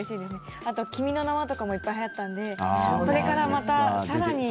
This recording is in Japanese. あと、「君の名は。」とかもいっぱいはやったんでこれからまた、更に。